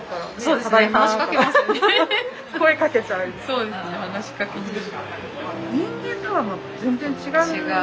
そうですね話しかけちゃう。